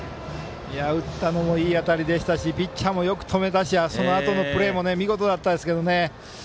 打ったのもいい当たりでしたしピッチャーもよく止めたしそのあとのプレーも見事でしたけどね。